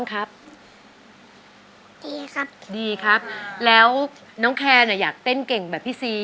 ขอบคุณครับคุณพ่อ